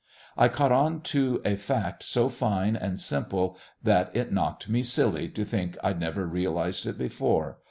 I caught on to a fact so fine and simple that it knocked me silly to think I'd never realised it before.